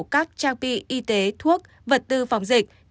các trang bị y tế thuốc vật tư phòng dịch